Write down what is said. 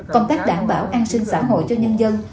công tác đảm bảo an sinh xã hội cho nhân dân